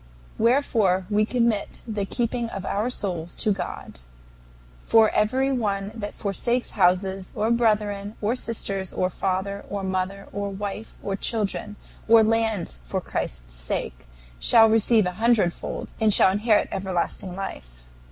"Wherefore we commit the keeping of our souls to God. For every one that forsakes houses, or brethren, or sisters, or father, or mother, or wife, or children, or lands for Christ's sake, shall receive a hundredfold, and shall inherit everlasting life.